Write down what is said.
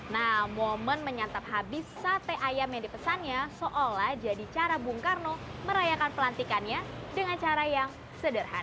nah momen menyantap habis sate ayam yang dipesannya seolah jadi cara bung karno merayakan pelantikannya dengan cara yang sederhana